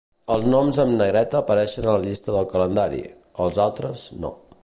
Els noms en negreta apareixen a la llista del calendari; els altres, no.